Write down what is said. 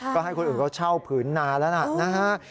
ก็ให้คนอื่นเขาเช่าผืนนานแล้วล่ะนะฮะ